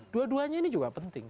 dua duanya ini juga penting